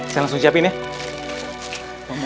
saya merasa terganggu